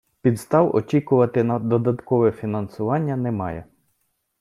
Підстав очікувати на додаткове фінансування немає.